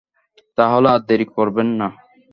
তা হলে আর দেরি করবেন না!